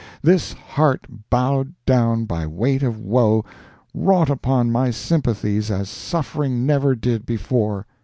This heart bowed down by weight of woe, wrought upon my sympathies as suffering never did before.